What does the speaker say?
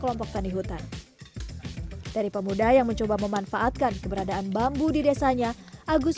kelompok tani hutan dari pemuda yang mencoba memanfaatkan keberadaan bambu di desanya agus